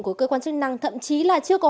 của cơ quan chứng tư thậm chí là chưa có